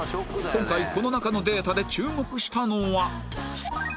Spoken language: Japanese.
今回この中のデータで注目したのは